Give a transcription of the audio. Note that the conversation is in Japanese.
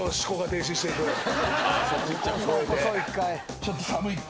ちょっと寒いって。